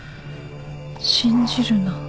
「信じるな」